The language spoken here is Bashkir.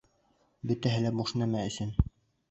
Бөтәһе лә буш нәмә өсөн.